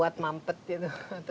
yang membuat mampet gitu